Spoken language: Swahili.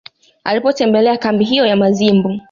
Alipotembelea kambi hiyo ya Mazimbu